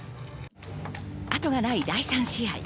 後がない第３試合。